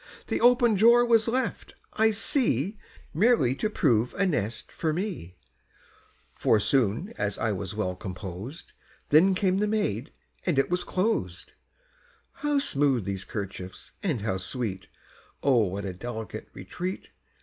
The open drawer was left, I see, Merely to prove a nest for me, For soon as I was well composed, Then came the maid, and it was closed, How smooth these 'kerchiefs, and how sweet! O what a delicate retreat!